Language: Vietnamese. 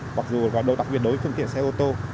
mặc dù đối với phương tiện xe ô tô